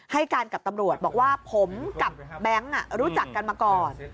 ให้การกับตำรวจบอกว่าผมกับแบงค์รู้จักกันมาก่อน